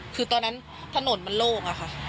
คือตอนนั้นถนนมันโล่งอะค่ะ